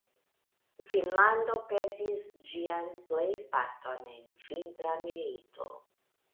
Finnlando perdis ĝian plejparton en Vintra milito.